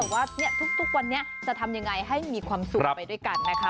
ว่าทุกวันนี้จะทำยังไงให้มีความสุขไปด้วยกันนะคะ